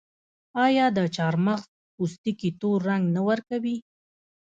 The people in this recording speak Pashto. آیا د چارمغز پوستکي تور رنګ نه ورکوي؟